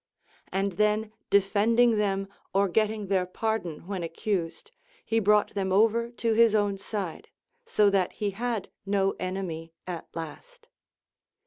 And then defending them or getting their pardon when accused, he brought them over to his own side, so that he had no enemy at last.